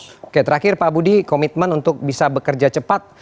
oke terakhir pak budi komitmen untuk bisa bekerja cepat